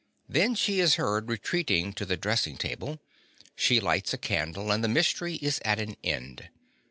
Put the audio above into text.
Then she is heard retreating to the dressing table. She lights a candle, and the mystery is at an end.